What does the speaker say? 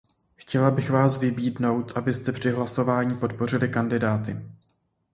Chtěla bych vás vybídnout, abyste při hlasování podpořili kandidáty.